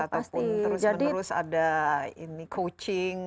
ataupun terus menerus ada coaching